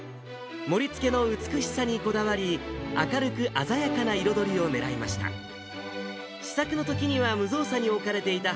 盛りつけの美しさにこだわり、明るく鮮やかな彩りを狙いました。